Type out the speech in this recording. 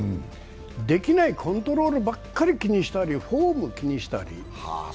できないコントロールばっかり気にしたりフォームを気にしたり。